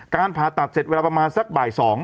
ผ่าตัดเสร็จเวลาประมาณสักบ่าย๒